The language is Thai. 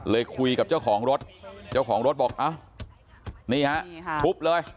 เลยคุยกับเจ้าของรถเจ้าของรถบอกนี่ครับทุบเลย